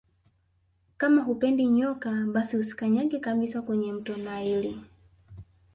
Kama hupendi nyoka basi usikanyage kabisa kwenye mto naili